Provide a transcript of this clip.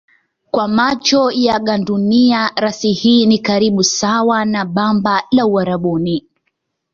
Kwa macho ya gandunia rasi hii ni karibu sawa na bamba la Uarabuni.